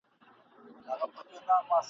او تیاره ورته د کور وړه دنیا سوه ..